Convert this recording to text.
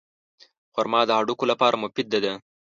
خرما د هډوکو لپاره مفیده ده.